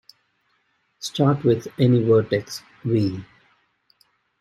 Start with any vertex "v".